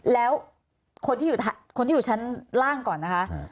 แล้วคนที่อยู่ชั้นล่างก่อนนะคะ